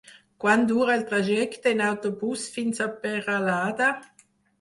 Quant dura el trajecte en autobús fins a Peralada?